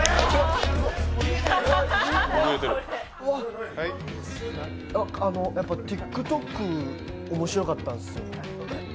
うわっ、なんかＴｉｋＴｏｋ、面白かったんですよ